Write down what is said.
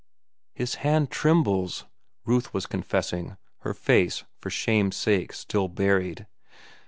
"His hand trembles," Ruth was confessing, her face, for shame's sake, still buried.